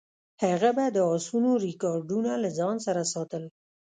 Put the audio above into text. هغه به د اسونو ریکارډونه له ځان سره ساتل.